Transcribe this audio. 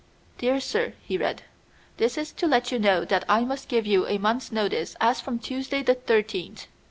"DEAR SIR," he read, "this is to let you know that I must give you a month's notice as from Tuesday the 13th.